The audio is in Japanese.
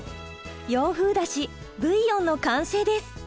洋風だし・ブイヨンの完成です。